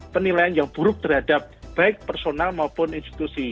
penilaian yang buruk terhadap baik personal maupun institusi